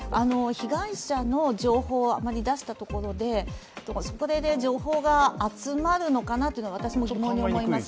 被害者の情報をあまり出したところでそこで情報が集まるのかなというのは私も疑問に思います。